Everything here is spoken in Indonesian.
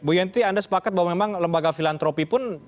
bu yenti anda sepakat bahwa memang lembaga filantropi pun